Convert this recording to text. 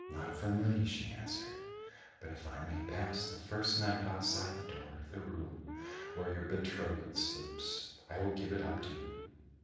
"Not for money," she answered, "but if I may pass the first night outside the door of the room where your betrothed sleeps, I will give it up to you."